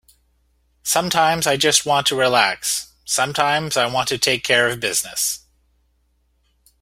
Sometimes I just want to relax, sometimes I want to take care of business.